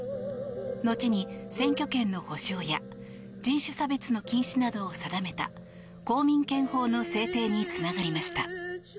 後に選挙権の保障や人種差別の禁止などを定めた公民権法の制定につながりました。